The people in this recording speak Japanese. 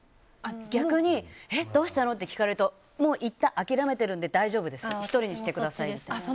逆にどうしたの？って聞かれるといったん諦めてるので大丈夫です、１人にしてください。